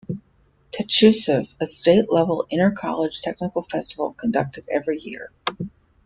Techutsav - a State level inter college technical festival conducted every year.